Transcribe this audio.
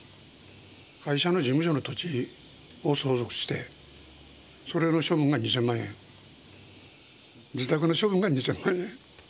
会社の事務所の土地を相続して、それの処分が２０００万円、自宅の処分が２０００万円。